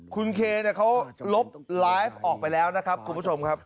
คุณเคเขาลบไลฟ์ออกไปแล้วนะครับคุณผู้ชมครับ